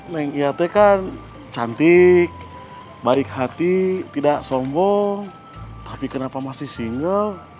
neng iat kan cantik baik hati tidak sombong tapi kenapa masih single